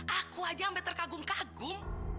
aku aja sampai terkagum kagum